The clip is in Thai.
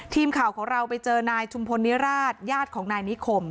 ทีมข่าวของเราไปเจอนายชุมพลนิราชญาติของนายนิคม